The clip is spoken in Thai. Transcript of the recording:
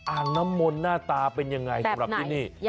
อ่างน้ำมนต์หน้าตาเป็นยังไงสำหรับที่นี่